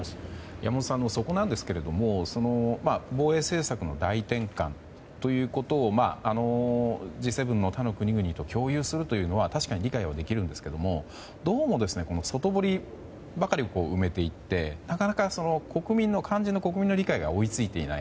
山本さん、そこですが防衛政策の大転換ということをＧ７の他の国々と共有するというのは確かに理解はできるんですけどもどうも、外堀ばかり埋めていってなかなか、肝心の国民の理解が追いついていない。